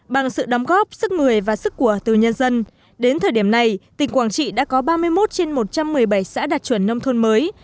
bằng sự đóng góp sức người và sức của từ nhân dân đến thời điểm này tỉnh quảng trị đã có ba mươi một trên một trăm một mươi bảy xã đạt chuẩn nông thôn mới